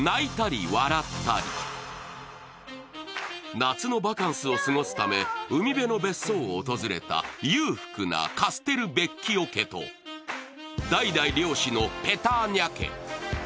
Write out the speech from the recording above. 夏のバカンスを過ごすため海辺の別荘を訪れた裕福なカステルヴェッキオ家と代々漁師のペターニャ家。